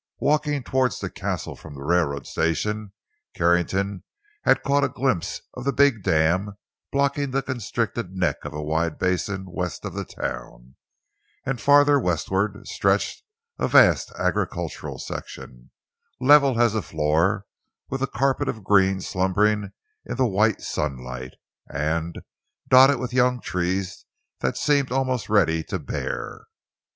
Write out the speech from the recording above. Walking toward the Castle from the railroad station, Carrington had caught a glimpse of the big dam blocking the constricted neck of a wide basin west of the town—and farther westward stretched a vast agricultural section, level as a floor, with a carpet of green slumbering in the white sunlight, and dotted with young trees that seemed almost ready to bear.